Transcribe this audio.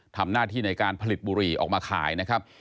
ทำหน้าที่ในการผลิตบุหรี่ออกมาขายนะครับ